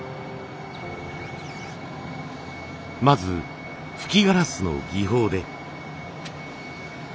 まず吹きガラスの技法で。